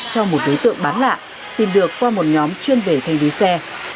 cho một đối tượng bán lạ tìm được qua một nhóm chuyên về thanh lý xe